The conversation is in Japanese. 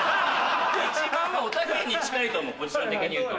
一番おたけに近いと思うポジション的に言うと。